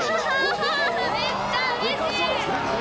めっちゃうれしい！